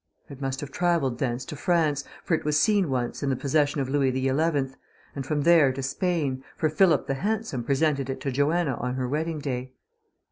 It must have travelled thence to France, for it was seen once in the possession of Louis XI; and from there to Spain, for Philip the Handsome presented it to Joanna on her wedding day.